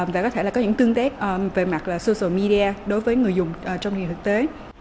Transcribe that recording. và có thể là có những tương tác về mặt social media đối với người dùng trong nghề thực tế